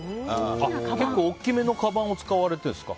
結構大きめのかばんを使われてるんですか。